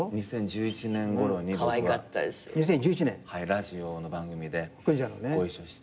ラジオの番組でご一緒して。